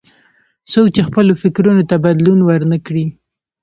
څوک چې خپلو فکرونو ته بدلون ور نه کړي.